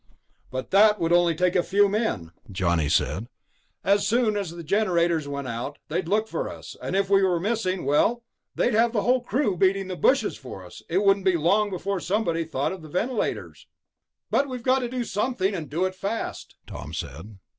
"But that would only take a few men," Johnny said. "As soon as the generators went out, they'd look for us, and if we were missing ... well, they'd have the whole crew beating the bushes for us. It wouldn't be long before somebody thought of the ventilators." "But we've got to do something, and do it fast," Tom said.